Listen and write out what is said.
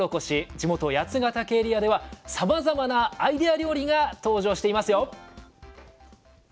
地元八ヶ岳エリアではさまざまなアイデア料理が登場していますよ！